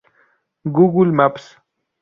Google Maps